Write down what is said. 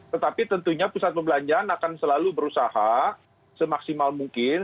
tetapi tentunya pusat perbelanjaan akan selalu berusaha semaksimal mungkin